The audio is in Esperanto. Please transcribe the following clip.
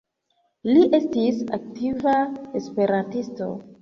Li estis aktiva esperantisto.